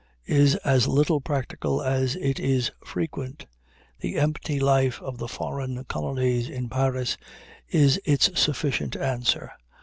is as little practical as it is frequent. The empty life of the "foreign colonies" in Paris is its sufficient answer.